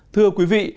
thưa quý vị